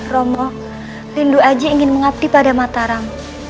romo lindu aji ingin mengabdi pada mataram